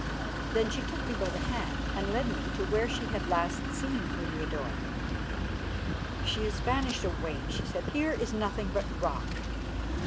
Then she took me by the hand and led me to where she had last seen Heliodore. "She has vanished away," she said, "here is nothing but rock."